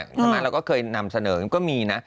ทำไมเราก็เคยนำเสนอกันก็มีนะ